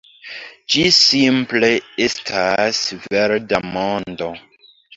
Ĝi simple estas verda mondo